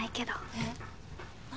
えっ何？